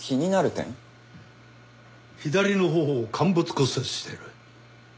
左の頬を陥没骨折している。